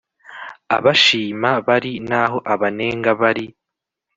abashima bari naho abanenga bari